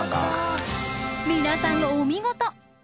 皆さんお見事！